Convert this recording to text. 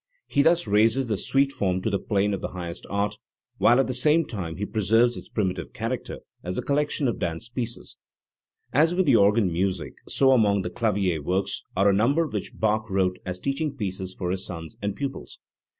He thus raises the suite form to the plane of the highest art, while at the same time he pre serves its primitive character as a collection of dance pieces. As with the organ music, so among the clavier works are a number which Bach wrote as teaching pieces for his sons and pupils.